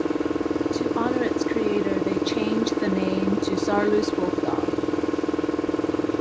To honor its creator they changed the name to "Saarloos Wolfdog".